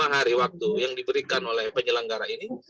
lima hari waktu yang diberikan oleh penyelenggara ini